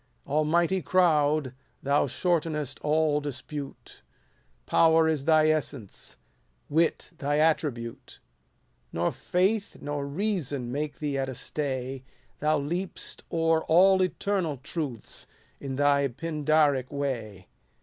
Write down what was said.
90 Almighty crowd, thou shortenest all dispute —• Power is thy essence ; wit thy attribute ! Nor faith nor reason make thee at a stay, Thou leap'st o'er all eternal truths in thy Pindaric way